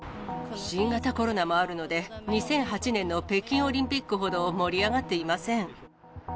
新型コロナもあるので、２００８年の北京オリンピックほど盛り上がっていません。